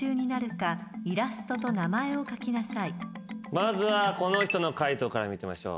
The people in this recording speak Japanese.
まずはこの人の解答から見てみましょう。